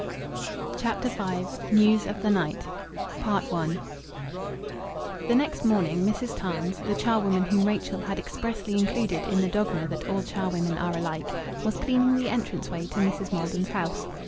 CHAPTER V NEWS OF THE NIGHT I The next morning, Mrs. Tarns, the charwoman whom Rachel had expressly included in the dogma that all charwomen are alike, was cleaning the entranceway to Mrs. Maldon's house.